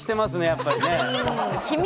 やっぱりね。